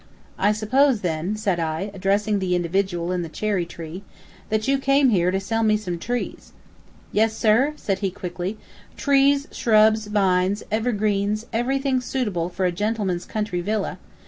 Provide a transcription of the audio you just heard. "I suppose, then," said I, addressing the individual in the cherry tree, "that you came here to sell me some trees." "Yes, sir," said he quickly, "trees, shrubs, vines, evergreens, everything suitable for a gentleman's country villa.